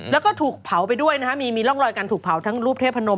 แล้วก็ถูกเผาไปด้วยนะฮะมีร่องรอยการถูกเผาทั้งรูปเทพนม